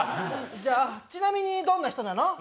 じゃあちなみにどんな人なの？